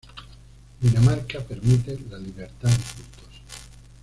Dinamarca permite la libertad de cultos.